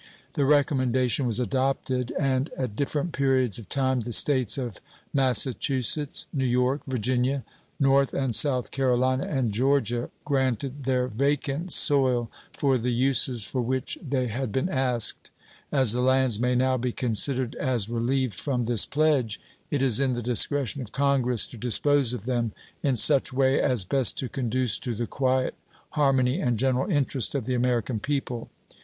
The recommendation was adopted, and at different periods of time the States of Massachusetts, New York, Virginia, North and South Carolina, and Georgia granted their vacant soil for the uses for which they had been asked. As the lands may now be considered as relieved from this pledge, it is in the discretion of Congress to dispose of them in such way as best to conduce to the quiet, harmony, and general interest of the American people.